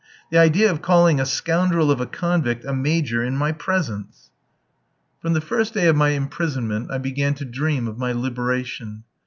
"The idea of calling a scoundrel of a convict a 'major' in my presence." From the first day of my imprisonment I began to dream of my liberation.